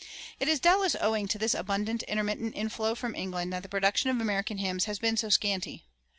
It is doubtless owing to this abundant intermittent inflow from England that the production of American hymns has been so scanty.